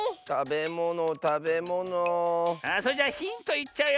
あそれじゃヒントいっちゃうよ。